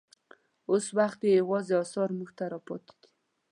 اوس وخت یې یوازې اثار موږ ته پاتې دي.